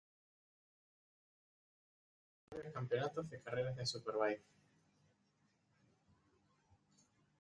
Kawasaki ha ganado varios campeonatos de carreras de superbike.